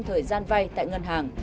thời gian vay tại ngân hàng